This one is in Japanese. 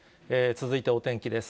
続いてお天気です。